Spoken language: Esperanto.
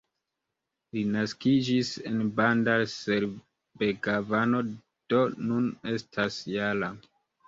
Li naskiĝis en Bandar-Seri-Begavano, do nun estas -jara.